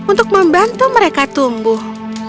untuk membantu mereka tumbuh